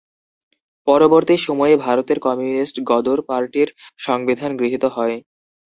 পরবর্তী সময়ে ভারতের কমিউনিস্ট গদর পার্টির সংবিধান গৃহীত হয়।